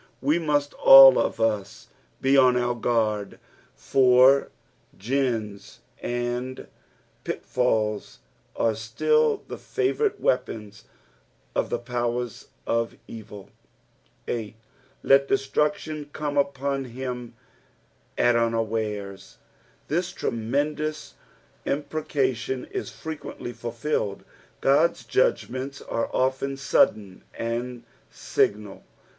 We must ail of us be on our guard, for gins and pitfalls arc still the favourite weapons of the powers of evil. 8. " Lei dettnietion come upon, him at vnaiatra." This tremendous impreca tion is frequently fulfilled. God's judgments are often sudden and signal.